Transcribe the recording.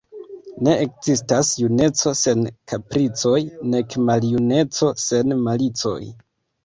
Ne ekzistas juneco sen kapricoj, nek maljuneco sen malicoj.